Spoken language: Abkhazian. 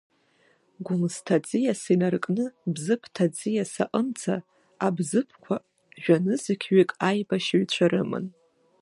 Гәмысҭа аӡиас инаркны Бзыԥҭа аӡиас аҟынӡа, абзыԥқәа жәанызқьҩык аибашьҩцәа рыман.